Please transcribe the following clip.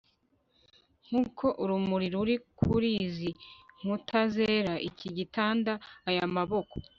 nkuko urumuri ruri kuri izi nkuta zera, iki gitanda, aya maboko